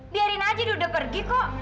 biarin aja dia udah pergi kok